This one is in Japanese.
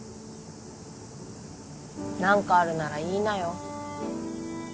何かあるなら言いなよ。